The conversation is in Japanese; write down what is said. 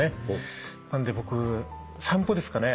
なので僕散歩ですかね。